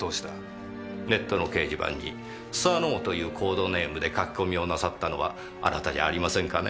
ネットの掲示板に須佐之男というコードネームでカキコミをなさったのはあなたじゃありませんかね？